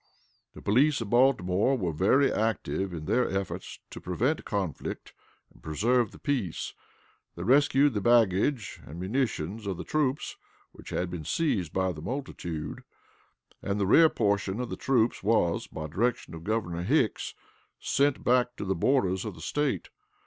The police of Baltimore were very active in their efforts to prevent conflict and preserve the peace; they rescued the baggage and munitions of the troops, which had been seized by the multitude; and the rear portion of the troops was, by direction of Governor Hicks, sent back to the borders of the State.